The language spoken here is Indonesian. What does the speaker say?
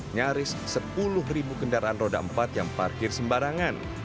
nyaris sepuluh ribu kendaraan roda empat yang parkir sembarangan